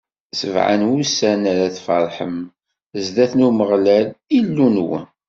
Sebɛa n wussan ara tfeṛḥem zdat n Umeɣlal, Illu-nwen.